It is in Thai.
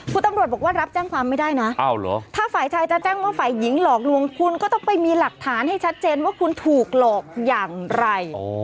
คุณตำรวจบอกว่ารับแจ้งความไม่ได้นะถ้าฝ่ายชายจะแจ้งว่าฝ่ายหญิงหลอกลวงคุณก็ต้องไปมีหลักฐานให้ชัดเจนว่าคุณถูกหลอกอย่างไร